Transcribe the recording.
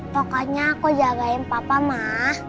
pokoknya aku jagain papa mah